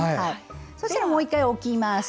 そうしたら、もう１回、置きます。